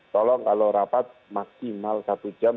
tolong kalau rapat maksimal satu jam